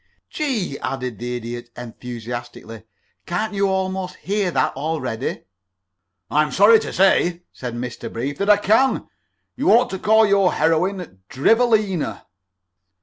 "Gee!" added the Idiot, enthusiastically, "can't you almost hear that already?" "I am sorry to say," said Mr. Brief, "that I can. You ought to call your heroine Drivelina."